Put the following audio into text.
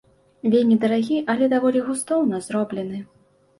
Вельмі дарагі, але даволі густоўна зроблены.